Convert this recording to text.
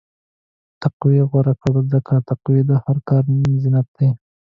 تقوی غوره کړه، ځکه تقوی د هر کار زینت دی.